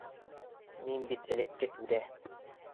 Мин бит элекке түрә.